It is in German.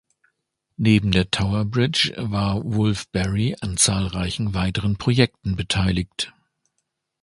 Neben der Tower Bridge war Wolfe-Barry an zahlreichen weiteren Projekten beteiligt.